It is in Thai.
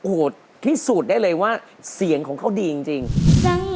โอ้โฮที่สูตรได้เลยว่าเสียงของเขาดีจริง